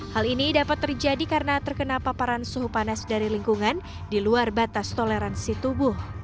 hal ini dapat terjadi karena terkena paparan suhu panas dari lingkungan di luar batas toleransi tubuh